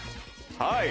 はい！